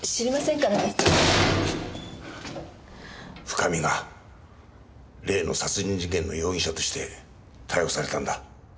深見が例の殺人事件の容疑者として逮捕されたんだ。